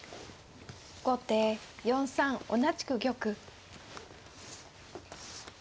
後手４三同じく玉。